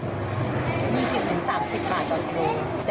มี๑๐๓๐บาทต่อกิโลกรัม